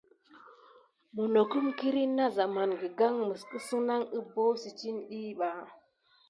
Minokum kirine na zamane higaka mis hidasinat kupasine.